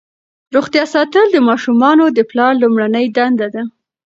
روغتیا ساتل د ماشومانو د پلار لومړنۍ دنده ده.